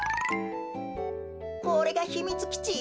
これがひみつきち？